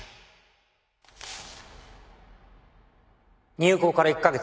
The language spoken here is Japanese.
入校から１カ月。